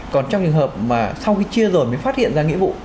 còn trong trường hợp mà sau khi chia rồn mới phát hiện ra nghĩa vụ